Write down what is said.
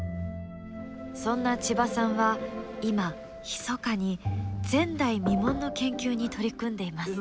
そんな千葉さんは今ひそかに前代未聞の研究に取り組んでいます。